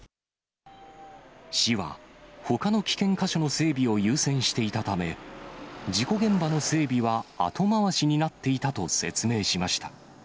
市は、ほかの危険箇所の整備を優先していたため、事故現場の整備は後回しになっていたと説明しました。